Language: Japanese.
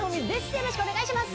よろしくお願いします！